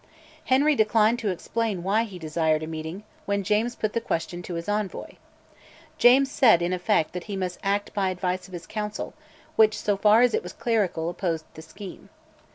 Henry declined to explain why he desired a meeting when James put the question to his envoy. James said, in effect, that he must act by advice of his Council, which, so far as it was clerical, opposed the scheme.